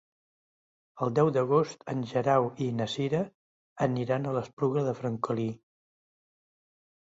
El deu d'agost en Guerau i na Cira aniran a l'Espluga de Francolí.